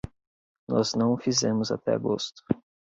Nós não o fizemos até agosto.